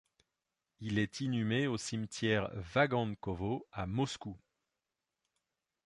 Il est inhumé au Cimetière Vagankovo à Moscou.